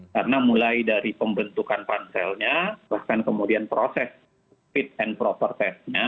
karena mulai dari pembentukan panselnya bahkan kemudian proses fit and proper testnya